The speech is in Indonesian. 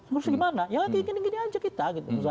terus gimana ya gini gini aja kita